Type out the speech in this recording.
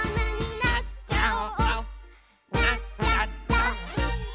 「なっちゃった！」